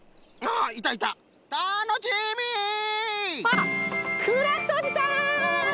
あっクラフトおじさん！